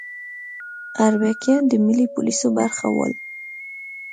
اربکیان د ملي پولیسو برخه ول